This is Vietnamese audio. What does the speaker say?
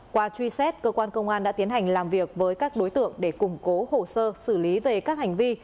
qua truy xét cơ quan công an đã tiến hành làm việc với các đối tượng để củng cố hồ sơ xử lý về các hành vi